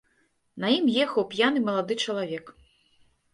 На ім ехаў п'яны малады чалавек.